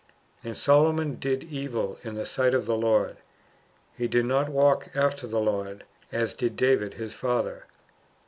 And Solomon did evil in the sight of the Lord : he did not walk after the Lord, as did David his father.